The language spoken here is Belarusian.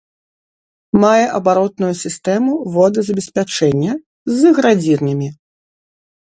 Мае абаротную сістэму водазабеспячэння з градзірнямі.